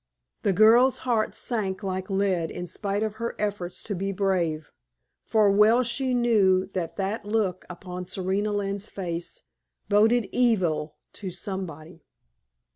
The girl's heart sank like lead in spite of her efforts to be brave, for well she knew that that look upon Serena Lynne's face boded evil to somebody.